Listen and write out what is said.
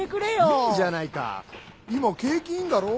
いいじゃないか今景気いいんだろ？